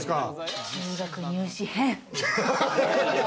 中学入試編。